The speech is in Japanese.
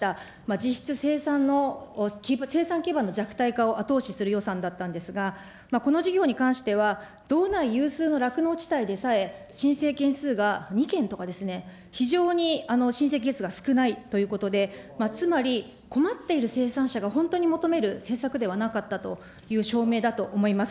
実質生産の、生産基盤の弱体化を後押しする予算だったんですが、この事業に関しては、道内有数の酪農地帯でさえ、申請件数が２件とかですね、非常に申請件数が少ないということで、つまり、困っている生産者が本当に求める政策ではなかったという証明だと思います。